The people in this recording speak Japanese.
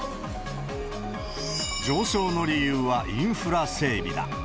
上昇の理由はインフラ整備だ。